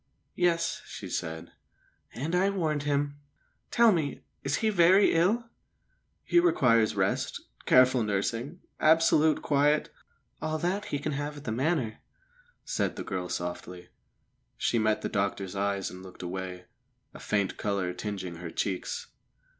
"Yes," she said. "And I warned him. Tell me, is he very ill?" "He requires rest, careful nursing, absolute quiet " "All that he can have at the Manor," said the girl softly. She met the doctor's eyes and looked away, a faint colour tingeing her cheeks.